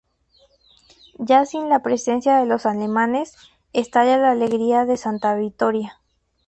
Ya sin la presencia de los alemanes, estalla la alegría en Santa Vittoria.